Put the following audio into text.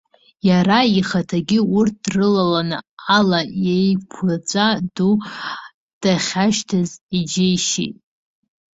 Иара ихаҭагьы урҭ дрылаланы ала еиқәаҵәа ду дахьашьҭаз ааџьеишьеит.